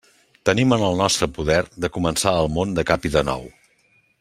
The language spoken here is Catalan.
Tenim en el nostre poder de començar el món de cap i de nou.